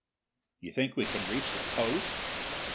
"You think we can reach the coast?"